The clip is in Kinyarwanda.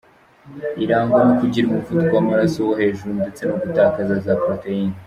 Irangwa no kugira umuvuduko w’amaraso wo hejuru ndetse no gutakaza za Proteines.